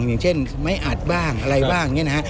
อย่างเช่นไม้อัดบ้างอะไรบ้างอย่างนี้นะฮะ